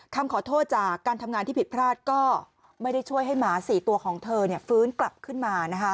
คำขอโทษจากการทำงานที่ผิดพลาดก็ไม่ได้ช่วยให้หมา๔ตัวของเธอฟื้นกลับขึ้นมานะคะ